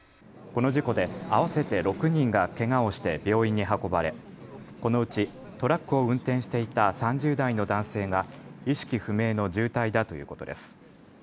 この事故で合わせて６人がけがをして病院に運ばれこのうちトラックを運転していた３０代の男性が意識不明の重体だということです。